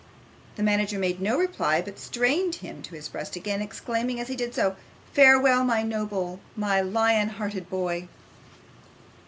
The manager made no reply, but strained him to his breast again, exclaiming as he did so, 'Farewell, my noble, my lion hearted boy!